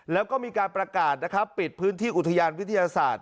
แล้วก็มีการประกาศนะครับปิดพื้นที่อุทยานวิทยาศาสตร์